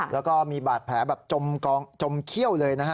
แล้วก็มีบาดแผลจมเขี้ยวเลยนะฮะ